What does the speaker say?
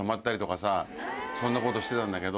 そんなことしてたんだけど。